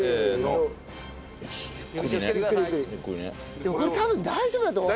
でもこれ多分大丈夫だと思う。